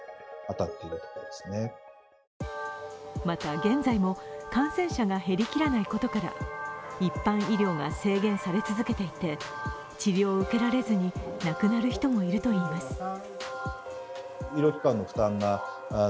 また現在も感染者が減りきらないことから一般医療が制限され続けていて治療を受けられずに亡くなる人もいるといいます。